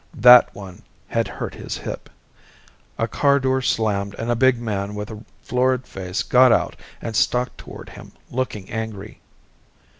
That one had hurt his hip. A car door slammed and a big man with a florid face got out and stalked toward him, looking angry.